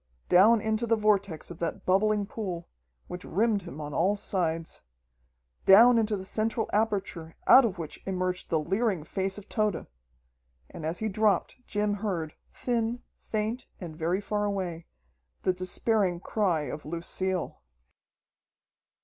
Down into the vortex of that bubbling pool, which rimmed him on all sides ... down into the central aperture out of which emerged the leering face of Tode! And as he dropped Jim heard, thin, faint, and very far away, the despairing cry of Lucille....